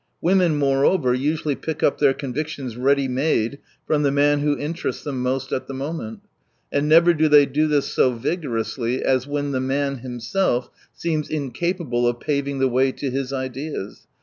Women, moreover, usually pick up their convictions ready made from the man who interests them most at the moment. And never do they do this so vigorously as when the man himself seems incapable of paving the way to his ideas